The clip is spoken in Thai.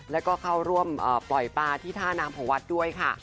แล้วก็เข้าร่วมปล่อยปลาที่ท่าน้ำของวัดด้วยค่ะ